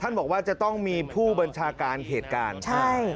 ท่านบอกว่าจะต้องมีผู้บัญชาการเขตการใช่